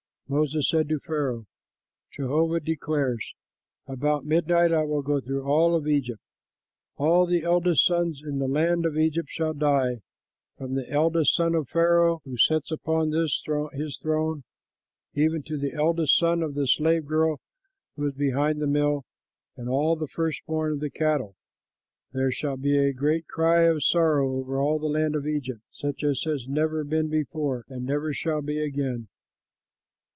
Moses said to Pharaoh, "Jehovah declares: 'About midnight I will go through all of Egypt. All the eldest sons in the land of Egypt shall die, from the eldest son of Pharaoh who sits upon his throne, even to the eldest son of the slave girl who is behind the mill, and all the first born of the cattle. There shall be a great cry of sorrow all over the land of Egypt, such as has never been before and never shall be again.'